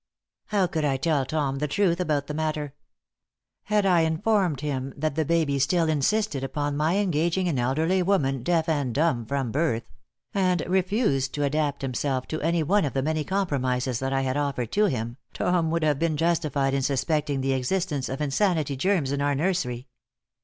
How could I tell Tom the truth about the matter? Had I informed him that the baby still insisted upon my engaging an elderly woman deaf and dumb from birth, and refused to adapt himself to any one of the many compromises that I had offered to him, Tom would have been justified in suspecting the existence of insanity germs in our nursery.